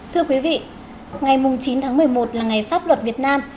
thưa quý vị ngày chín tháng một mươi một là ngày pháp luật việt nam